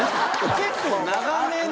結構長めの。